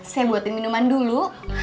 saya buatin minuman dulu